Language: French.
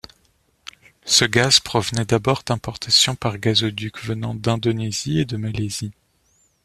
Ce gaz provenait d'abord d'importations par gazoduc, venant d'Indonésie et de Malaisie.